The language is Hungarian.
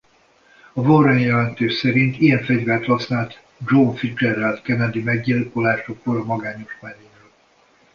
A Warren-jelentés szerint ilyen fegyvert használt John Fitzgerald Kennedy meggyilkolásakor a magányos merénylő.